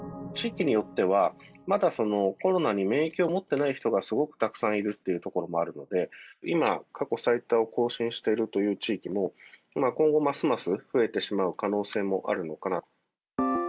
地域によっては、まだコロナに免疫を持ってない人がすごくたくさんいるっていう所もあるので、今、過去最多を更新しているという地域も、今後ますます増えてしまう可能性もあるのかなと。